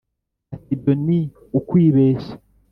Ati “Ibyo ni ukwibeshya